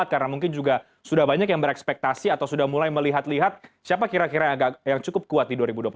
karena mungkin juga sudah banyak yang berekspektasi atau sudah mulai melihat lihat siapa kira kira yang cukup kuat di dua ribu dua puluh empat